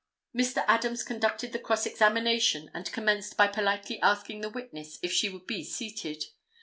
Mr. Adams conducted the cross examination, and commenced by politely asking the witness if she would be seated.